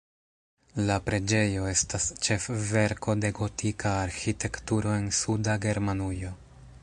La preĝejo estas ĉefverko de gotika arĥitekturo en suda Germanujo.